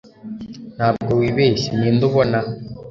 ntabwo wibeshye, ninde ubona